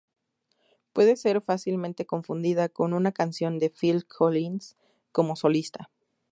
Puede ser fácilmente confundida con una canción de Phil Collins como solista.